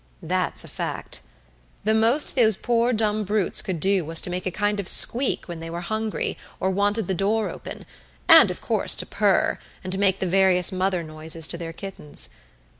That's a fact. The most those poor dumb brutes could do was to make a kind of squeak when they were hungry or wanted the door open, and, of course, to purr, and make the various mother noises to their kittens.